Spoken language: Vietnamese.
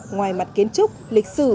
ngoài mặt kiến trúc lịch sử